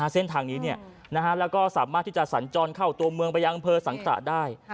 เส้นทางนี้แล้วก็สามารถที่จะสัญจรเข้าตัวเมืองไปยังอำเภอสังขระได้